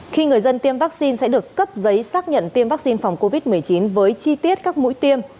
khi người dân tiêm vaccine sẽ được cấp giấy xác nhận tiêm vaccine phòng covid một mươi chín với chi tiết các mũi tiêm